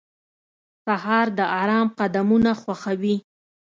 سهار د آرام قدمونه ښووي.